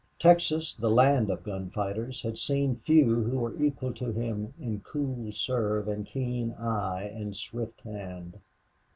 Texas, the land of gunfighters, had seen few who were equal to him in cool nerve and keen eye and swift hand.